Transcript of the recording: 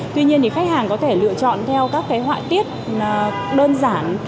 tuy nhiên thì khách hàng có thể lựa chọn theo các họa tiết đơn giản